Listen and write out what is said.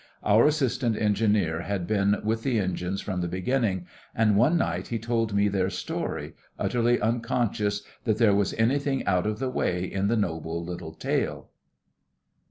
Our Assistant Engineer had been with the engines from the beginning, and one night he told me their story, utterly unconscious that there was anything out of the way in the noble little tale.